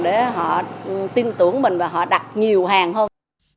để họ tin tưởng mình và họ đặt nhiều hàng hơn